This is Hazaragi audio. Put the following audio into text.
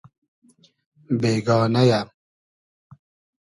بېگانۂ یۂ